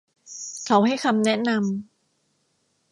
เขาให้คำแนะนำ